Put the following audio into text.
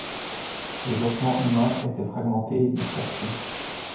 Les ossements humains étaient fragmentés et dispersés.